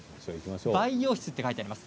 培養室と書いてあります。